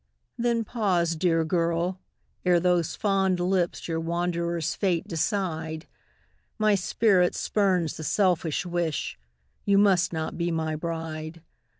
Then pause, dear girl! ere those fond lips Your wanderer's fate decide; My spirit spurns the selfish wish You must not be my bride.